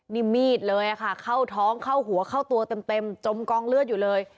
นี่มีดเลยค่ะเข้าท้องเข้าหัวเข้าตัวเต็มจมกองเลือดอยู่เลย